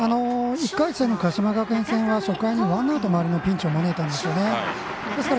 １回戦の鹿島学園戦は初回にワンアウト満塁のピンチを招いたんですね。